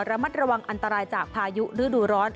ระมัดระวังอันตรายจากพายุฤดูร้อน